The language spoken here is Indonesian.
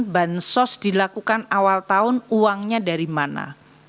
bansos dilakukan awal tahun uangnya dari mana